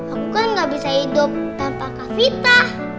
aku kan gak bisa hidup tanpa kak vita